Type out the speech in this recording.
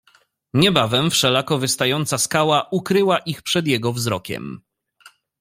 "Niebawem wszelako wystająca skała ukryła ich przed jego wzrokiem."